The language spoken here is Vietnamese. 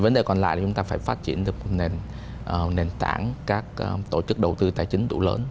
vấn đề còn lại là chúng ta phải phát triển được một nền tảng các tổ chức đầu tư tài chính đủ lớn